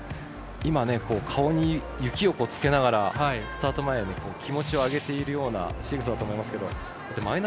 今、顔に雪をつけながらスタート前気持ちを上げているようなしぐさだと思いますけども。